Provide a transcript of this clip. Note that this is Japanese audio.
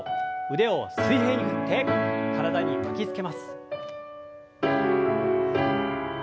腕を水平に振って体に巻きつけます。